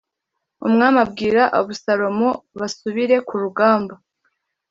Umwami abwira Abusalomu basubire kurugamba